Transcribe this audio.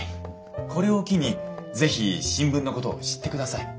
これを機に是非新聞のことを知ってください。